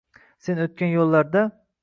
Sen o’tgan yo’llarda